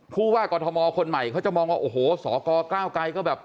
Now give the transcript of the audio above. ผู้ว่ากอทมคนใหม่เขาจะมองว่าโอ้โหสกก้าวไกรก็แบบ